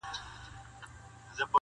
ما کتلی په ورغوي کي زما د ارمان پال دی.